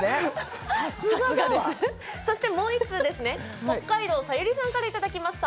もう１通北海道さゆりさんからいただきました。